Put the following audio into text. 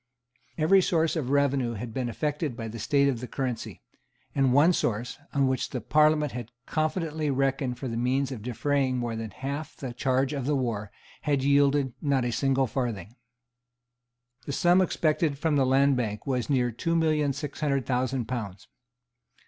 Every source of revenue had been affected by the state of the currency; and one source, on which the Parliament had confidently reckoned for the means of defraying more than half the charge of the war, had yielded not a single farthing. The sum expected from the Land Bank was near two million six hundred thousand pounds.